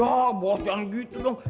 ya bos jangan gitu dong